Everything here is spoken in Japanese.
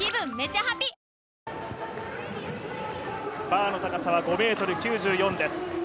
バーの高さは５ｍ９４です。